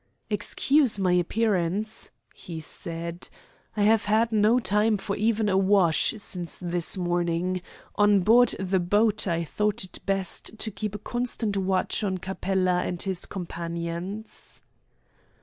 "Excuse my appearance," he said. "I have had no time for even a wash since this morning. On board the boat I thought it best to keep a constant watch on Capella and his companions."